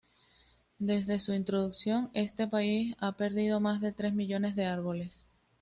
Desde su introducción, este país ha perdido más de tres millones de árboles.